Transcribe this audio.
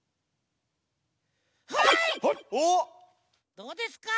どうですか？